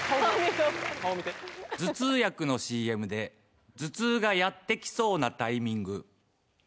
頭痛薬のＣＭで頭痛がやってきそうなタイミング。